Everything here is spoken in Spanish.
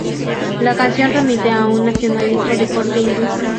La canción remite a un nacionalismo de corte hindú.